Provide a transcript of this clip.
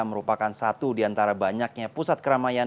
merupakan satu di antara banyaknya pusat keramaian